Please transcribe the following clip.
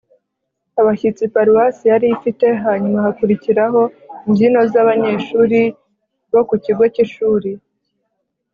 abashyitsi paruwasi yari ifite, hanyuma hakurikiraho imbyino z'abanyeshuri bo ku kigo cy'ishuri